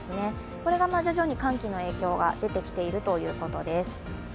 これが徐々に寒気の影響が出てきているということです。